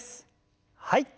はい。